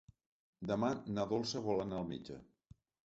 Demà na Dolça vol anar al metge.